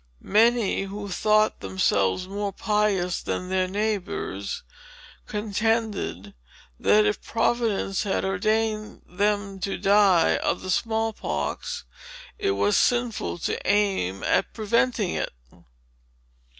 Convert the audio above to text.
Many, who thought themselves more pious than their neighbors, contended, that, if Providence had ordained them to die of the small pox, it was sinful to aim at preventing it.